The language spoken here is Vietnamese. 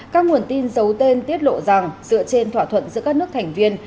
các nguồn tin giấu tên tiết lộ rằng dựa trên thỏa thuận giữa các nước thành viên